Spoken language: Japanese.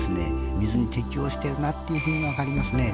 水に適応しているなというふうに分かりますね。